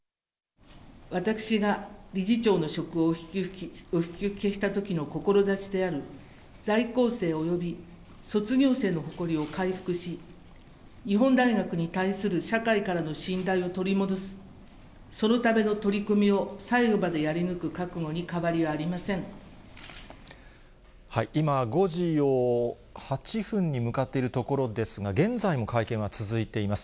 私が理事長の職をお引き受けしたときの志である、在校生および卒業生の誇りを回復し、日本大学に対する、社会からの信頼を取り戻す、そのための取り組みを最後までやり抜く覚悟に、変わりはありませ今、５時を８分に向かっているところですが、現在も会見は続いています。